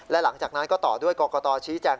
และหลังจากนั้นก็ต่อด้วยกรกตชี้แจง